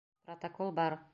Протокол бар!